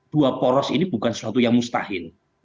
dua poros ini bukan sesuatu yang mustahil